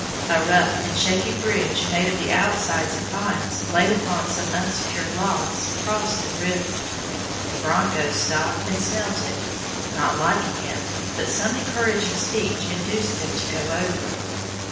A rough and shaky bridge, made of the outsides of pines laid upon some unsecured logs, crossed the river. The broncos stopped and smelt it, not liking it, but some encouraging speech induced them to go over.